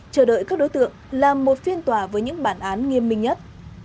chờ đợi các đối tượng làm một phiên tòa với những bản án nghiêm minh nhất